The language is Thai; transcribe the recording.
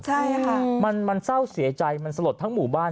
ใช่ค่ะมันเศร้าเสียใจมันสลดทั้งหมู่บ้าน